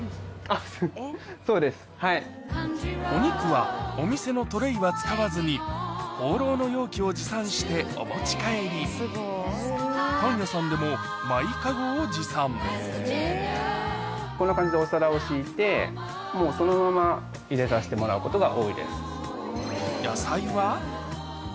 お肉はお店のトレーは使わずにホーローの容器を持参してお持ち帰りパン屋さんでもマイかごを持参こんな感じでお皿を敷いてもうそのまま入れさしてもらうことが多いです。